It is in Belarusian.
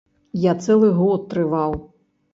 Я цэлы год трываў.